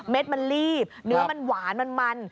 เม็ดมันลีบเนื้อมันหวานมันมัน